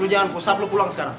lo jangan push up lo pulang sekarang